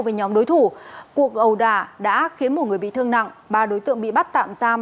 với nhóm đối thủ cuộc ẩu đả đã khiến một người bị thương nặng ba đối tượng bị bắt tạm giam